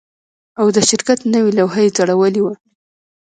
او د شرکت نوې لوحه یې ځړولې وه